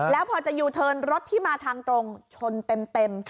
แล้วพอจะยูเทิร์นรถที่มาทางตรงชนเต็ม